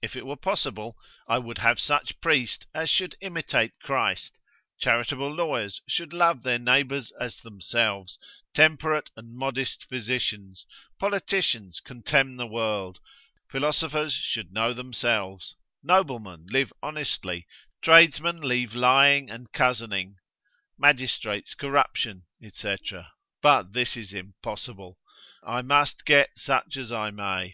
If it were possible, I would have such priest as should imitate Christ, charitable lawyers should love their neighbours as themselves, temperate and modest physicians, politicians contemn the world, philosophers should know themselves, noblemen live honestly, tradesmen leave lying and cozening, magistrates corruption, &c., but this is impossible, I must get such as I may.